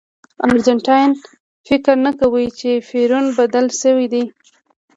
ارجنټاینان فکر نه کوي چې پېرون بدل شوی دی.